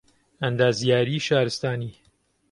ئەندازیاریی شارستانی